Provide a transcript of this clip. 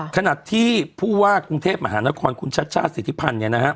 ขนาดที่ผู้ว่ากรุงเทพมหานครคุณชาติชาติศิษภัณฑ์